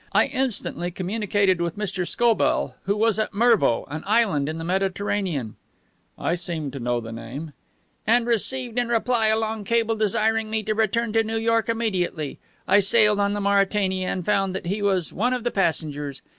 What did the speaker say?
I instantly communicated with Mr. Scobell, who was at Mervo, an island in the Mediterranean " "I seem to know the name "" and received in reply a long cable desiring me to return to New York immediately. I sailed on the Mauretania, and found that he was one of the passengers.